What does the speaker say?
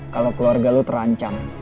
kalau keluarga lu terancam